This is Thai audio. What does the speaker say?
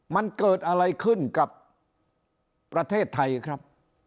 มันเกิดอะไรขึ้นกับประเทศไทยครับ